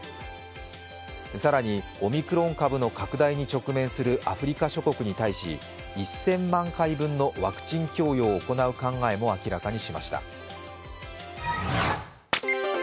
更に、オミクロン株の拡大に直面するアフリカ諸国に対し１０００万回分のワクチン供与を行う考えも明らかにしました。